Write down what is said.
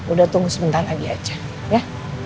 udah tunggu sebentar lagi aja ya